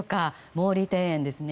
毛利庭園ですね。